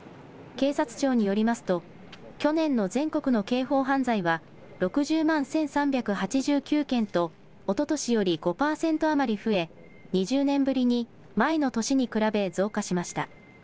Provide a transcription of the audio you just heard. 警察庁によりますと去年の全国の刑法犯罪は６０万１３８９件とおととしより５％余り増え２０年ぶりに前の年に比べ増加しました。